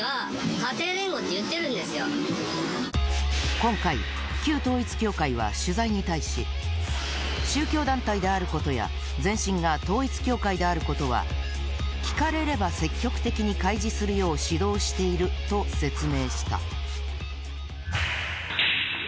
今回、旧統一教会は取材に対し宗教団体であることや前身が統一教会であることは聞かれれば積極的に開示するよう指導していると説明した。